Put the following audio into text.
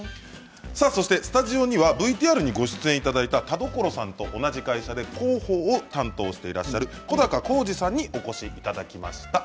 スタジオには、ＶＴＲでご出演いただいた田所さんと同じ会社で広報を担当している小高公次さんにお越しいただきました。